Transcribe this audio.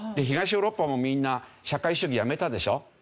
東ヨーロッパもみんな社会主義やめたでしょ。